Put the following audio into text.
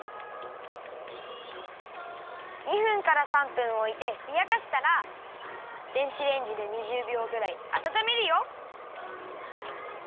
２分から３分おいてふやかしたら電子レンジで２０びょうぐらいあたためるよ。